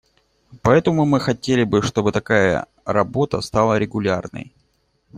Поэтому мы хотели бы, чтобы такая работа стала регулярной.